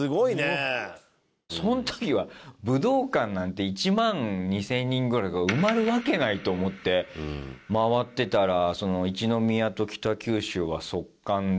その時は武道館なんて１万２０００人ぐらいが埋まるわけないと思って回ってたら。